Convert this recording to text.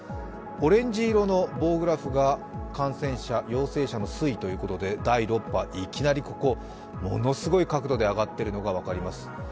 オレンジ色の棒グラフが感染者、陽性者の推移ということで、第６波、いきなりものすごい角度で上がっているのが分かります。